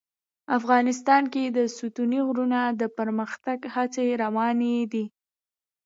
افغانستان کې د ستوني غرونه د پرمختګ هڅې روانې دي.